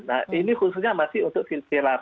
nah ini khususnya masih untuk pilar satu